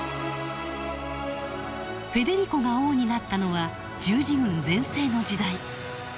フェデリコが王になったのは十字軍全盛の時代。